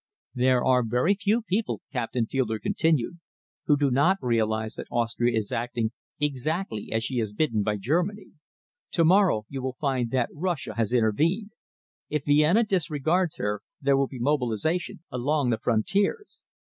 "There are very few people," Captain Fielder continued, "who do not realise that Austria is acting exactly as she is bidden by Germany. To morrow you will find that Russia has intervened. If Vienna disregards her, there will be mobilisation along the frontiers.